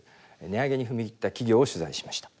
値上げに踏み切った企業を取材しました。